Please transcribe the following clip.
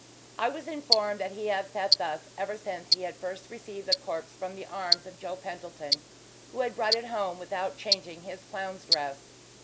I was informed that he had sat thus ever since he had first received the corpse from the arms of Joe Pentland, who had brought it home without changing his clown's dress.